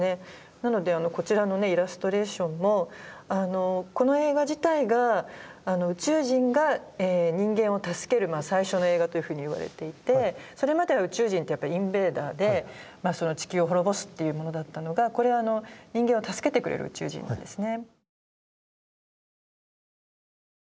なのでこちらのねイラストレーションもこの映画自体が宇宙人が人間を助ける最初の映画というふうにいわれていてそれまでは宇宙人ってやっぱインベーダーで地球を滅ぼすっていうものだったのがこれは人間を助けてくれる宇宙人なんですね。